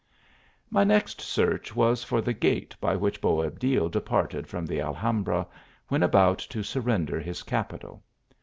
My next search was for the gate by which Bo abdjl departed from the Alhambra, when about to surrender his capital.